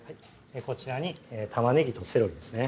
こちらに玉ねぎとセロリですね